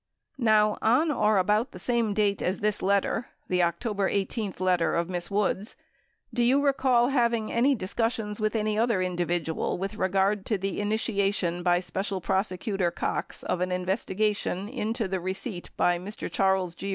Now on or about the same date as this letter [the October 18 letter of Miss Woods], do you recall having any dis cussions with any other individual with regard to the initiation by Special Prosecutor Cox of an investigation into the receipt by Mr. Charles G.